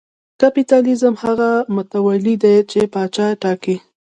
کاپیتالېزم هغه متولي دی چې پاچا ټاکي.